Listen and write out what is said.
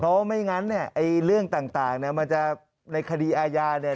เพราะว่าไม่งั้นเนี่ยไอ้เรื่องต่างเนี่ยมันจะในคดีอาญาเนี่ย